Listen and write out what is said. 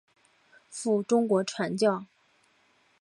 赴中国传教。